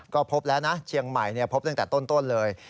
ก็พบแล้วนะเชียงใหม่พบตั้งแต่ต้นเลย